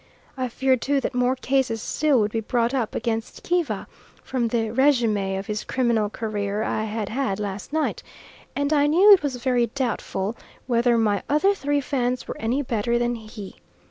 I feared too that more cases still would be brought up against Kiva, from the resume of his criminal career I had had last night, and I knew it was very doubtful whether my other three Fans were any better than he.